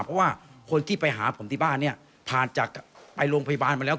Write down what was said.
เพราะว่าคนที่ไปหาผมที่บ้านเนี่ยผ่านจากไปโรงพยาบาลมาแล้ว